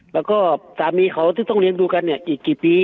แล้วก็สามีเขาที่ต้องเลี้ยงดูกันเนี่ยอีกกี่ปี